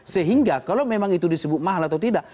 sehingga kalau memang itu disebut mahal atau tidak